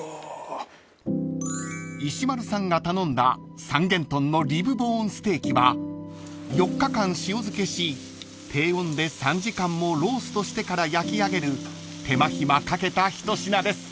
［石丸さんが頼んだ三元豚のリブボーンステーキは４日間塩漬けし低温で３時間もローストしてから焼き上げる手間暇かけた一品です］